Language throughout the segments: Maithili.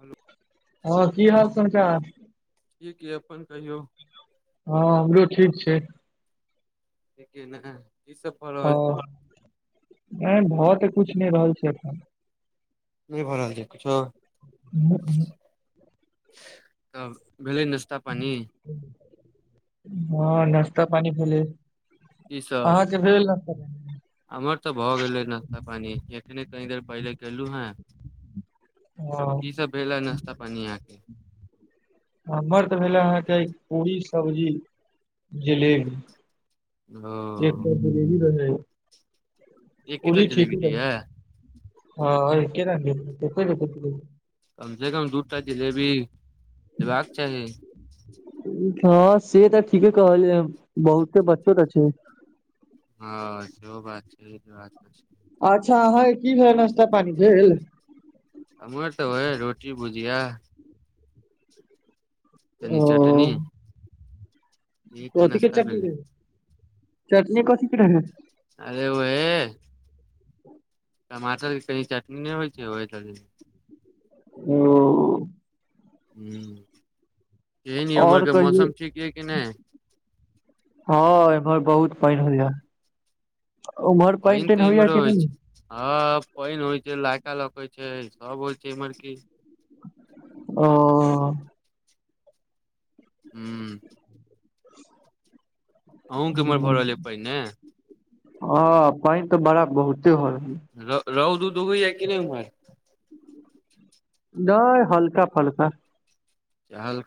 हेलो हँ की हाल समाचार [unintelligible] अपन कहियौ हँ हमरो ठीक छै [unintelligible] ने सब भऽ ह रहल छै नहि भ तऽ कुछ नहि रहल छै एखन नहि भरल छै कुछो ह ह [unintelligible] तब भेलै नाश्ता पानी हँ नास्ता पानी भेले ई सब [inaudible] अमहर तऽ भए गेले नाश्ता पानी ऐखने कनी देर पहिले केलु हे हँ की सब भेल ह नाश्ता पानि‌ अहाँ केँ हमर तऽ भेलै अहाँके पूड़ी सब्जी जिलेबी ओ जलेबी रहै एकेटा पुरी जिलेबी ठिक रहै दियै हँ के र [unintelligible] [unintelligible] दूटा जिलेबी लेबाक चाही हँ से तऽ ठीके कहलिय बहुते बच्चो तऽ छै हाँ, जेहो बात छै, ई बात छै अच्छा, अहाँकेँ कि भेल नाश्ता पानी भेल। हमर तऽ ओह रोटी भुजिया। ओ तनी चाटनी। कथि केँ चटनी भेलै दैय हैय चटनी कथि केँ ‌रहै अरे ओे टमाटर के कनि चटनी नहि होइ छै, ओहिसँ ओ। हुँ केहेन यऽ उमहर और केँ कहियौ मौसम ठीक य कि नैय हँ, एमहर बहुत पाइन होइया उमहर पाइन पानि पाइन तऽ होइया इम्हरो कु होइ नहि। छै हँ पाइन होइ छै लहका लौकइ छै सब होइ छै इमहर की अ हूँ। अहुूँ के औमहर भऽ रहलैय पाईन नऽ हँ पान तऽ बड़ा बहुते भऽ रहलय रौद उगि गेलै की नहि, ओ? नेई हल्का फुलका चल।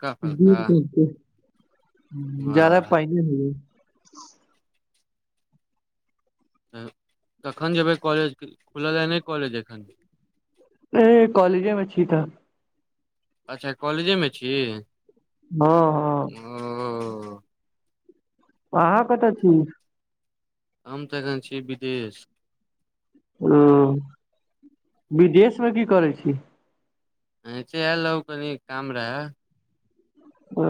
ज जारा वाह, पायने है [unintelligible] तऽ कखन जेबै कॉलेज खुल यै नहि कॉलेज एखन ए कॉलेजे मे छी त। अच्छा कॉलेजे मे छी हँ, हँ। ओ। अहाँ कतऽ छी हम तऽ एखन छियै विदेश। ओ विदेश मे कि करै छी। एने आयल राहू कनि काम रहै। ओ।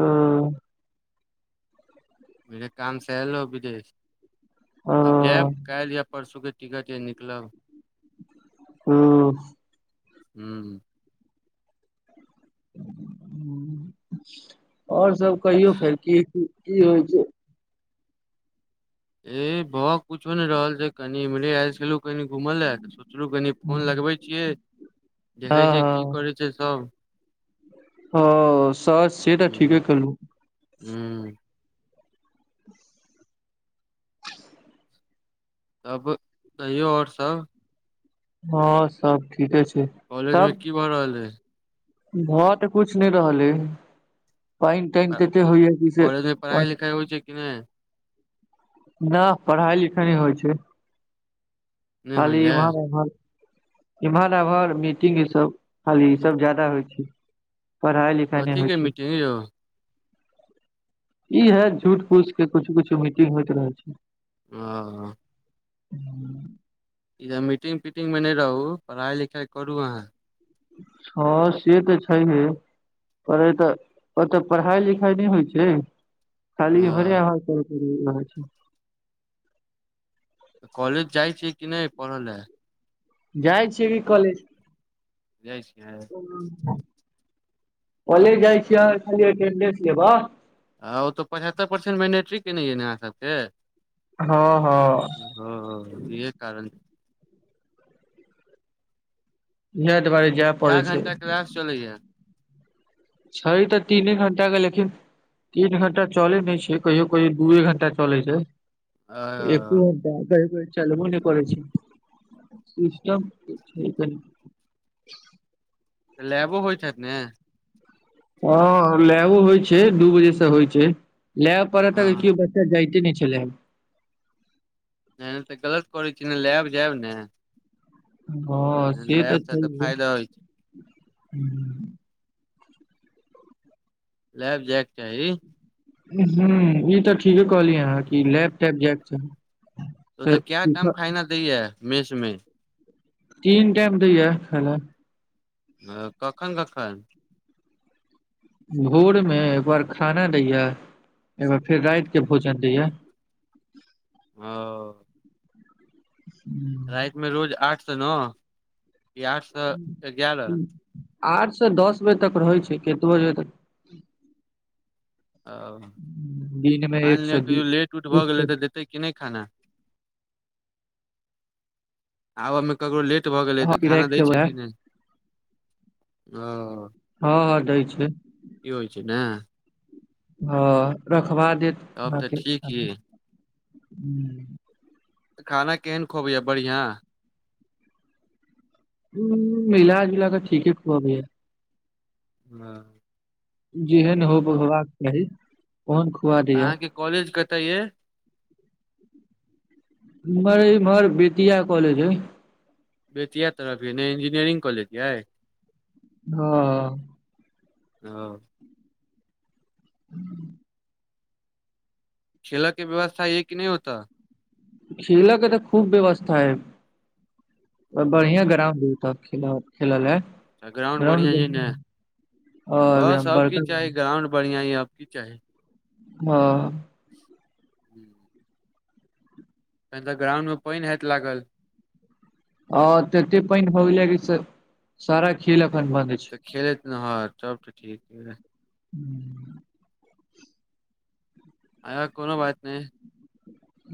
मे काम से एलो विदेश ओ अब जायब काल्हि या। परसुके टिकटये निकलब। हँ। हूँ। आओर सभ कहियौ फेर कि होइ छै। ए भह कुछो नै रहल छै कनि ईमहरे आयलु छलु कनि घुमऽ लए तऽ सोचलहुँ कनि फोन लगबै छियै, देखै हँ छियै, कि हँ करै छै सभ हँ से तऽ ठीके कहलू। हू। तब कहियो आओर सभ। हाँ सभ ठीके छै। कॉलेज मे तब की भऽ रहल है भऽ तऽ कुछ नहि रहल ह पाइन तानि तऽ एते होइया जस। छै होइ छै कि नहि। न पढ़ाई लिखाइ नहि होइ छै। नहि खाली होइया इम्हर उम्हर। इम्हर अन्हार मीटिंग ई सभ खाली ई सभ जादा होइ छै। पढ़ाई लिखाई नहि कथी होइ के छै मीटिंग यो इहै झूठ फूस केँ कुछु कुछु मीटिंग होइत रहै छै ओ [inaudible] इ, मीटिंग पीटिंगमे न रह पढ़ाई लिखाई करु अहाँ। हँ से तऽ छै हे पर एतऽ ओतऽ पढ़ाई लिखाई नहि होइ छै खाली ओ इम्हरे आम्हर कऽ करै छै। तऽ कॉलेज जाई छियै कि नहि पाढे लऽ। जाई छियै कि कॉलेज। जाई छियै। कॉलेज जाई छिये खाली अटेंडेंस लेबह। आ ओ तऽ पचहत्तरि परसेंट मैट्रिक केने यए ने अहाँसभके? हँ, हँ। ओ इहे कारण। जाइत भाई कए घंटा क्लास चलैया? छै तऽ तीने घण्टा के लेकिन तीन घंटा चलै नहि छै कहियो कहियो दूए घंटा चलै छै एक तऽ हो [unintelligible] चलहु ने परै छै सिस्टम [unintelligible] तऽ लेबो होइत हैत‌ ने हँ लैबो होइ छैय दू बजे से होइ छैय लय पड़त हँ के जायते नहि छलै ह। ए तऽ गलत करैत छी न लैब जायब ने। हँ से तऽ लैब छैहै फायदा होइ छै लैब जाय केँ चाही ह ई तऽ ठीके कहलियै अहाँ कि लैब तैब जायके चाही। तऽ ओतअ काइ टाइम खाना दैय यऽ मेस मे तीन टाईम दैऽ य खाना। कखैन कखैन भोर मे एक बार खाना दै या एक बार फेर रात के भोजन देय ओ [inaudible] राति में रोज आठ स नओ की आठ से एगारह आठ से दस बजे तक रहैत छै कतबे जेबै तऽ ओ दिन मे एक मानि लिअ से दू कहियो लेट उट भऽ एक से गेलै तऽ देतै कि नहि खाना? आबऽमे ककरो लेट भऽ गेलै हँ तऽ खाना राखि दै छैय देबै की नहि ओ। हँ हँ दै छैय। ई होइ छैय ने। हाँ रखबा देत तब तऽ ठीक य [unintelligible] खाना केहन खुअबैया बढ़ियां? हूं मिलाजुला कऽ ठीके खुआबैया। हँ जेहन हो होबाक चाही ओहन खुआ दैया। अहाँके कॉलेज कत य हमर मर बेतिया कॉलज हैय। बे तिय तरफ ने इंजीनियरिंग कॉज य हाँ ह [inaudible] खेलके व्यवस्था अय कि नहि होत? खेल के तऽ खूब व्यवस्था है ओ बढ़िया ग्रामउंड अय। तऽ खेल खेलय ला। अच्छ ग्राउण्ड बढ़िआँ अइ ने हँ बस एकदम आब की बड़का चाही ग्राउंड बढ़िआँ अइ आब की चाही। हँ [inaudible] तऽ ग्राउंड मे पानि हैत लागल? अ तते पानि भ गेले कि सारा खेल एखन बंन्द छैय। तऽ खेलैत ने ह सब तऽ ठीके या। हू आ कोनो बात नहि।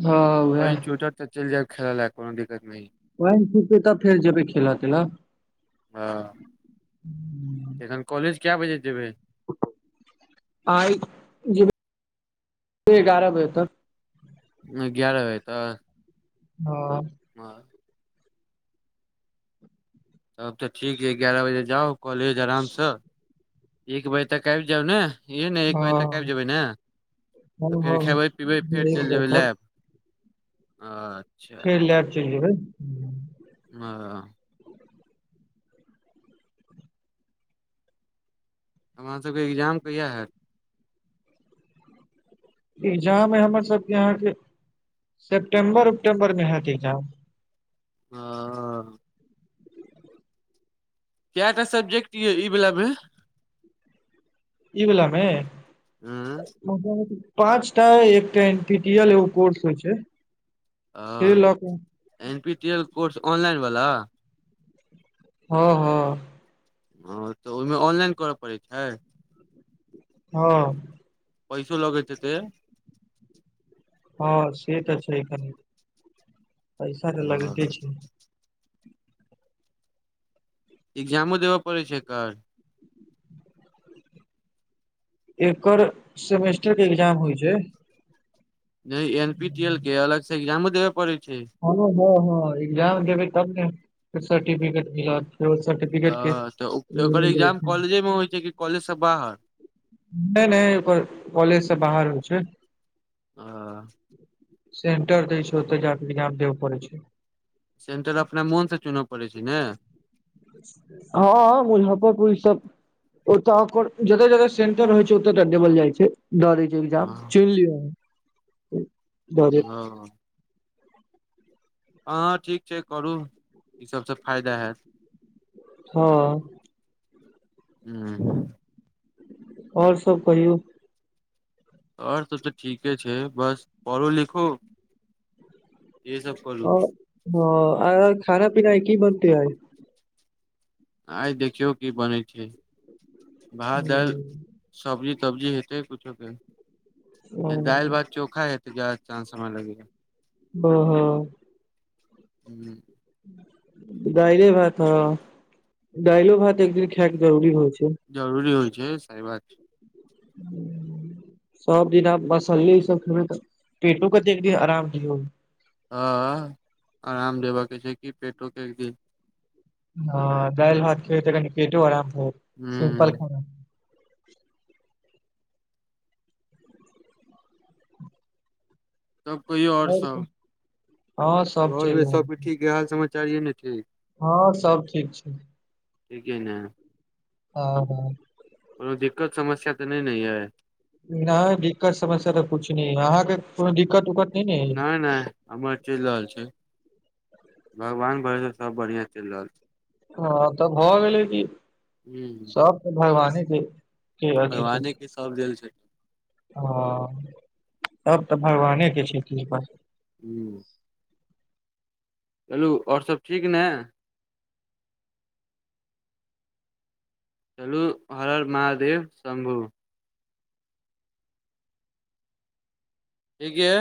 हँ वएह पानि छूटत तऽ चलि जायब खेल लए कोनो दिक्त नहि। पानि छूटतै तब फेर जेबै खेल तेल ल। हँ एखन कॉलेज कए बजे जेबै? आय जेबै एगारह बजे तक। ग्यारह बजे तऽ। हँ [unintelligible] तब तऽ ठीक अइ एगारह बजे जाउ कॉलेज आरामसँ एक बजे तक आबि जाउ ने? हह ने एक बजे तक आइब हँ जेबै ने तऽ हँ फेर खेबै पिबै फेर एक चलि बजे जेबै तक लैब आ फेर लैर चलइए हं हमर सबके एग्जाम कहिआ हैत एग्जाम अइ हमर सबके अहाँके सेप्टेम्बर उप्टेम्बरमें हयत एग्जाम हँ केटा सब्जेक्ट य ई वला मे ईविल मे हँ, पाँच टा एकटा एन टीटीएल एो कोर्स होइ छै आ से लऽ कऽ N P T L course online बला हँ हँ हँ तऽ ओहिमे ऑनलाइन करय पड़ैत छय हँ पैसो लगै हेतय हँ से तऽ छै एखन पैसा तऽ लगते हँ, छय एग्जामो देबऽ पड़ै छै एकर एकर सेमेस्टर के एग्जाम होइ छय नहि एन पी टी एल के अलग से एग्जामो देबय पड़ै छय हँ हँ हँ एग्जाम देबै तब ने सर्टिफिकेट मिलत [unintelligible] अ तऽ ओकर लेवल जाइ एग्जाम छै। कॉलेजे में होइ छै कि कॉलेजसँ बाहर नहि नहि ओकर कॉलेजसँ बाहर होइ छय हं सेंटर दऽ छै ओते जाक इजाम देब पड़े छै सेंटर अपने मोन से चुनय पड़ैत छय ने हँ मुजफ्फरपुर ई सब ओत ओकर जते जगह सेंटर होय छै ओते टा डबल जाय छै ड एग्जाम चुइन लियौ हँ हँ ठीक छय करू ई सबसँ फायदा होैत हँ हूँ ओर सब कहियौ और सब तऽ ठीके छय बस पढ़ू लिखू ई सब करू हं आ खाना पीना की बनतै आइ देखियौ की बनै छय भाद दर सब्जी तब्जी हेतय कुछो के य दालि हँ भात चोखे हैएत जा सम लगे ओहो हूँ दाइले भात हँ दइलो भात एक दिन खायके जरुररी होइ छय जरूरी होइ छय सी बात [inaudible] सब दिन आब मसल्ले ई सब खेबै तऽ पेटो कऽ तऽ एक दिन आराम दियौ हं आराम देबऽ के छै कि पेटो के एक दिन हँ दालि भात ख तऽ कनि पेटो आराम बत सिम्पल खाना तब कहियऔर सब हँ सब घर चलि में रहल सबके ठीक हाल समाचार ये ने ठीक हँं सब ठीक छय ठीक आई नऽ आ ह कोनो दिक्कत समस्य तऽ नहि ने यै? नहि दिक्कत समस्या तऽ कुछ न अहाँके कोनो दिक्कत उक्कत? ने अइ नहि नहि हमर चलि रहल छैय भगवान भरसँ सब बढ़िआँ चलि रहल छैय। हँ तऽ भऽ गेलै क ह सबके भगवाने के। के भगवाने की सब देल छैय। ह तब तऽ भगवानेके छैय कृपा। हू हेलो और सब ठीक ने? चलू हर हर महादेव शंभू। हेगे